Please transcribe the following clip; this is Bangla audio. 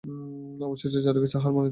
অবশেষে চারুকেই হার মানিতে হইল।